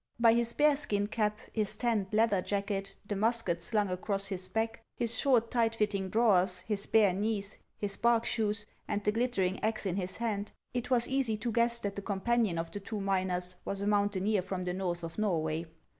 By his bearskin cap, his tanned leather jacket, the mus ket slung across his back, his short, tight fitting drawers, his bare knees, his bark shoes, and the glittering axe in his hand, it was easy to guess that the companion of the two miners was a mountaineer from the north of Norway.